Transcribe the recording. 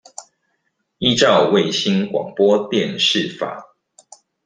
依照衛星廣播電視法